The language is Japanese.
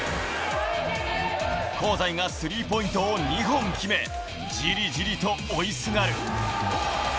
香西がスリーポイントを２本決め、ジリジリと追いすがる。